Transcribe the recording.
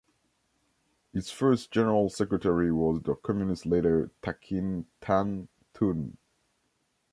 Its first general secretary was the communist leader Thakin Than Tun.